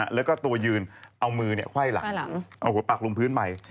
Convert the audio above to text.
แล้วก็ตัวยืนเอามือไขว้หลังเอาหัวปากลงพื้นใหม่